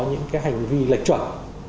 những cái hành vi lệch chuẩn